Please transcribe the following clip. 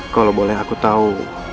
kalo boleh aku tau